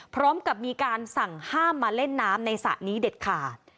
พร้อมกับมีการสั่งห้ามมาเล่นน้ำในสระนี้เด็ดขาด